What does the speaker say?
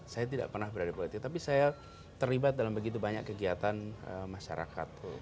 saya tidak pernah berada di politik tapi saya terlibat dalam begitu banyak kegiatan masyarakat